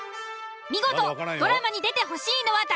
見事ドラマに出てほしいのは誰？